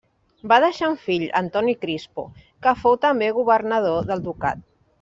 Va deixar un fill, Antoni Crispo, que fou també governador del ducat.